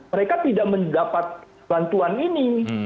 mereka tidak mendapat bantuan ini